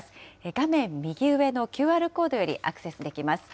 画面右上のＱＲコードよりアクセスできます。